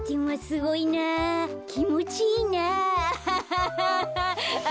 きもちいいなあ。